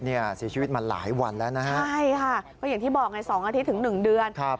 เสียชีวิตมาหลายวันแล้วนะฮะใช่ค่ะก็อย่างที่บอกไง๒อาทิตย์ถึง๑เดือน